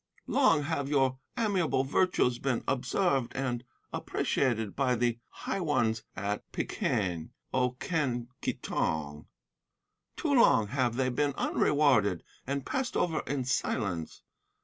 Long have your amiable virtues been observed and appreciated by the high ones at Peking, O Quen Ki Tong. Too long have they been unrewarded and passed over in silence.